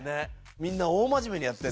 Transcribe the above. みんな大真面目にやってる。